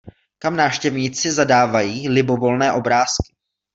Kam návštěvníci zadávají libovolné obrázky.